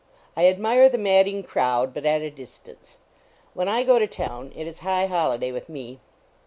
I admire the madding crowd, but at a dis tance. When I go to town, it is high holi day with me.